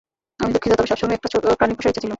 আমি দুঃখিত, তবে সবসময়ই একটা প্রাণী পোষার ইচ্ছা ছিল।